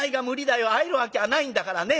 会えるわけはないんだからね。